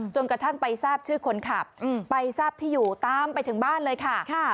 กระทั่งไปทราบชื่อคนขับไปทราบที่อยู่ตามไปถึงบ้านเลยค่ะ